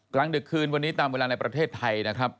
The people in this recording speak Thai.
กลางดึกคืนวันนี้ตามเวลาในประเทศไทยนะครับ